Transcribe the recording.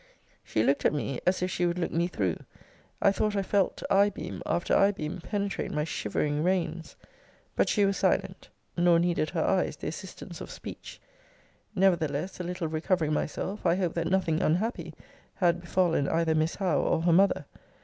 She looked at me as if she would look me through: I thought I felt eye beam, after eye beam, penetrate my shivering reins. But she was silent. Nor needed her eyes the assistance of speech. Nevertheless, a little recovering myself, I hoped that nothing unhappy had befallen either Miss Howe or her mother.